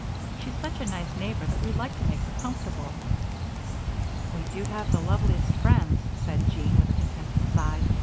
She's such a nice neighbor that we'd like to make her comfortable." "We do have the loveliest friends," said Jean, with a contented sigh.